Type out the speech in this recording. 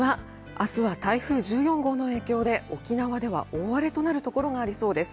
明日は台風１４号の影響で沖縄では大荒れとなるところがありそうです。